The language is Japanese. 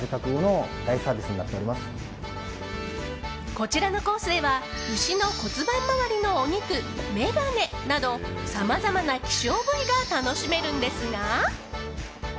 こちらのコースでは牛の骨盤周りのお肉、メガネなどさまざまな希少部位が楽しめるんですが。